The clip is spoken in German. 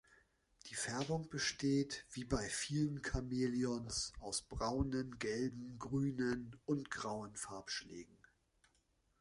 Die Färbung besteht, wie bei vielen Chamäleons aus braunen, gelben, grünen und grauen Farbschlägen.